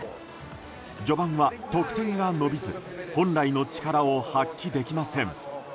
序盤は得点が伸びず本来の力を発揮できません。